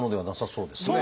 そうですね。